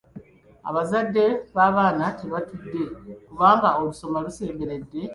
Abazadde b'abaana tebatudde kubanga olusoma lusemberedde okuggwaako